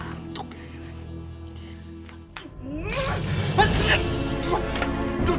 lantuk ya ini